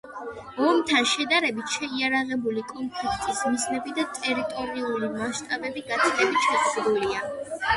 ომთან შედარებით შეიარაღებული კონფლიქტის მიზნები და ტერიტორიული მასშტაბები გაცილებით შეზღუდულია.